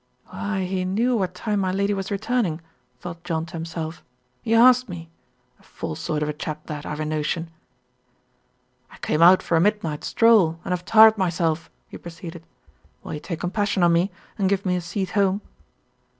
"Why, he knew what time my lady was returning," thought John to himself; "he asked me. A false sort of a chap that, I've a notion." "I came out for a midnight stroll, and have tired myself," he proceeded. "Will you take compassion on me, and give me a seat home?"